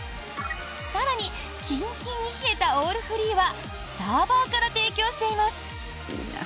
更にキンキンに冷えたオールフリーはサーバーから提供しています。